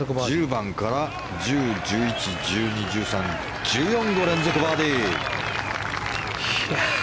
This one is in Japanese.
１０番から１０、１１、１２、１３、１４５連続バーディー。